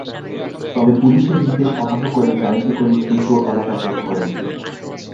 তবে পুলিশের নির্দেশ অমান্য করে গাড়িতে করে দ্রুত এলাকা ত্যাগ করেন তিনি।